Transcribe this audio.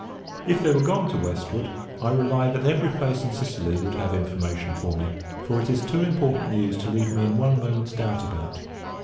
If they were gone to the westward, I rely that every place in Sicily would have information for me; for it is too important news to leave me in one moment's doubt about.